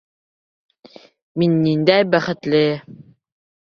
Мин ниндәй бәхетле!